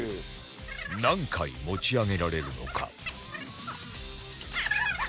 何回持ち上げられるのか？